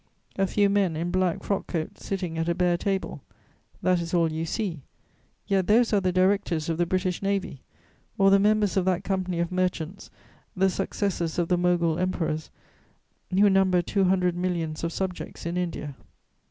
A few men in black frock coats sitting at a bare table: that is all you see; yet those are the directors of the British Navy, or the members of that company of merchants, the successors of the Mogul emperors, who number two hundred millions of subjects in India.